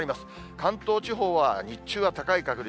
関東地方は日中は高い確率。